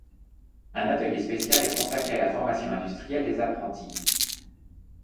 Un atelier spécial est consacré à la formation industrielle des apprentis.